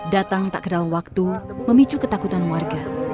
datang tak kedalang waktu memicu ketakutan warga